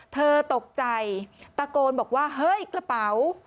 เธอตกใจตะโกนบอกว่าเฮ้ยกระเป๋า